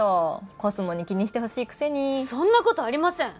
コスモに気にしてほしいくせにそんなことありません